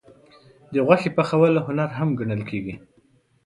د غوښې پخول هنر هم ګڼل کېږي.